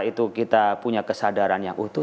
itu kita punya kesadaran yang utuh